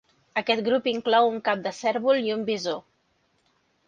Aquest grup inclou un cap de cérvol i un bisó.